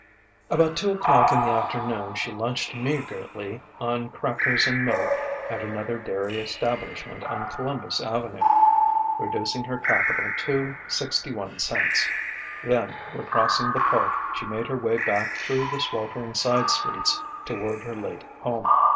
About two o'clock in the afternoon she lunched meagrely on crackers and milk at another dairy establishment on Columbus Avenue reducing her capital to sixty one cents. Then, recrossing the park, she made her way back through the sweltering side streets toward her late home.